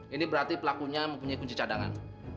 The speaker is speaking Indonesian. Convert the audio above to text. ini berarti pelakunya mempunyai kunci cadangan